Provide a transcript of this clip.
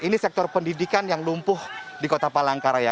ini sektor pendidikan yang lumpuh di kota palangkaraya